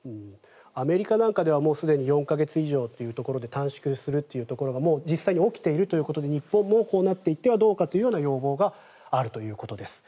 アメリカなんかではもうすでに４か月以上というところで短縮するということがもう実際に起きているということで日本もこうなっていってはどうかという要望があるということです。